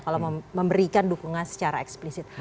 kalau memberikan dukungan secara eksplisit